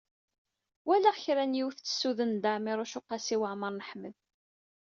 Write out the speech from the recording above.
Walaɣ kra n yiwet tessuden Dda Ɛmiiruc u Qasi Waɛmer n Ḥmed.